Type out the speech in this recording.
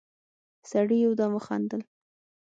سړي يودم وخندل: